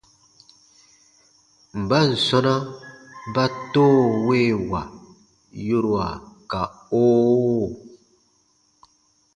Mban sɔ̃na ba “toowewa” yorua ka “oo”?